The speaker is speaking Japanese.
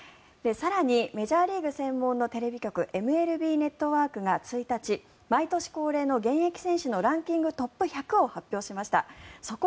更にメジャーリーグ専門のテレビ局ＭＬＢネットワークが１日毎年恒例の現役選手のトップ１００を選出しました。